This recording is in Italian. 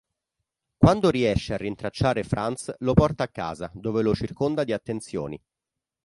Quando riesce a rintracciare Franz lo porta a casa dove lo circonda di attenzioni.